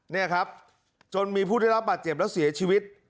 นี่ครับจนมีผู้ได้รับบาดเจ็บและเสียชีวิต